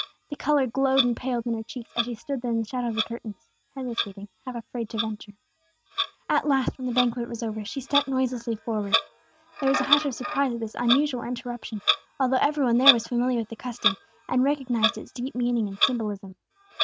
The color glowed and paled in her cheeks, as she stood there in the shadow of the curtains, hesitating, half afraid to venture. At last, when the banquet was almost over, she stepped noiselessly forward. There was a hush of surprise at this unusual interruption, although every one there was familiar with the custom, and recognized its deep meaning and symbolism.